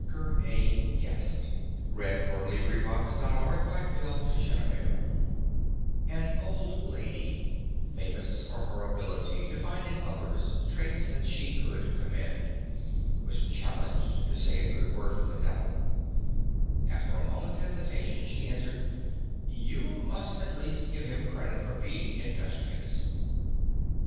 Gamaliel Bradford. THERE WILL ALWAYS BE SOMETHING TO DO An old lady, famous for her ability to find in other people traits that she could commend, was challenged to say a good word for the devil. After a moment's hesitation she answered, "You must at least give him credit for being industrious."